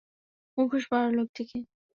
মুখোশপরা লোকটি কে?